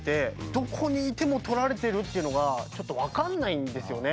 どこにいても撮られてるっていうのがちょっと分かんないんですよね。